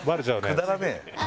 くだらねえ。